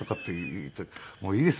「もういいです。